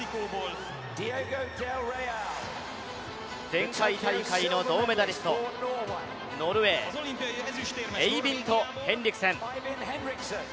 前回大会の銅メダリスト、ノルウェー、エイビンド・ヘンリクセン。